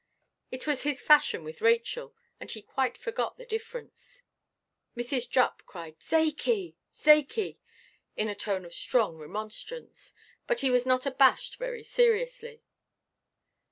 It was his fashion with Rachel, and he quite forgot the difference. Mrs. Jupp cried, "Zakey, Zakey!" in a tone of strong remonstrance. But he was not abashed very seriously.